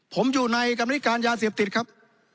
ผมอยู่ในกรรมนิการยาเสพติดครับ